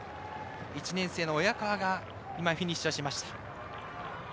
１年生の親川がフィニッシュしました。